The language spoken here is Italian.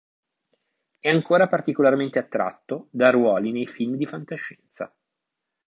È ancora particolarmente attratto da ruoli nei film di fantascienza.